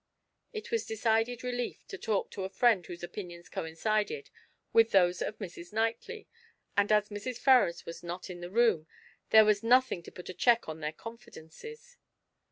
It was a decided relief to talk to a friend whose opinions coincided with those of Mrs. Knightley, and as Mrs. Ferrars was not in the room there was nothing to put a check on their confidences.